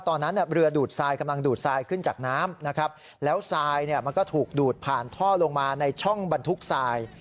ตอนนั้นเรือดูดทรายกำลังดูดทรายขึ้นจากน้ำนะครับแล้วทรายเนี่ยมันก็ถูกดูดผ่านท่อลงมาในช่องบรรทุกทราย